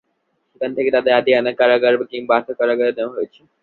সেখান থেকে তাঁদের আদিয়ালা কারাগার কিংবা অ্যাটক কারাগারে নেওয়ার কথা রয়েছে।